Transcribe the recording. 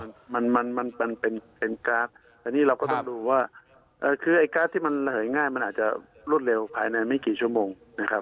อันนี้มันเป็นเป็นการ์ดอันนี้เราก็ต้องดูว่าคือไอ้การ์ดที่มันเหยง่ายมันอาจจะรวดเร็วภายในไม่กี่ชั่วโมงนะครับ